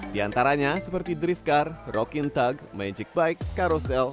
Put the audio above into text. di antaranya seperti drift car rocking tug magic bike carousel